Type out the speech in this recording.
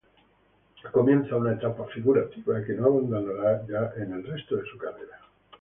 Comienza una etapa figurativa, que no abandonará ya en el resto de su carrera.